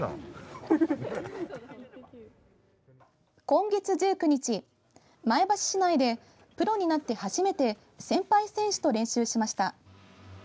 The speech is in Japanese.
今月１９日、前橋市内でプロになって初めて先輩選手と練習しました。